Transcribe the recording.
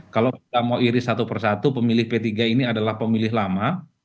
kalau kita mau iris satu persatu pemilih p tiga ini adalah pemilih lama